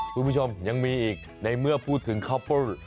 คุณผู้ชมยังมีอีกในเมื่อพูดถึงคอปเปิ้ล